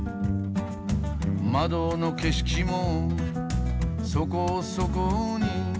「窓の景色もそこそこに」